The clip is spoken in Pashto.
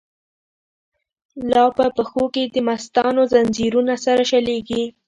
لاپه پښو کی دمستانو، ځنځیرونه سره شلیږی